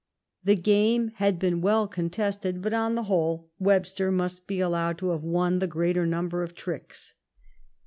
The game had been well contested^ but on the whole Webster must be allowed to have won the greater number of tricks.